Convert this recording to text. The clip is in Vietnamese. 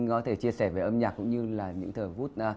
có thể chia sẻ về âm nhạc cũng như là những thờ út